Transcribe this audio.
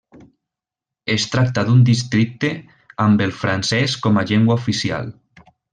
Es tracta d'un districte amb el francès com a llengua oficial.